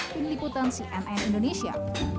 pilih putan cnn indonesia